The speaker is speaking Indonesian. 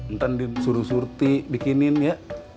entah disuruh surti bikinin ya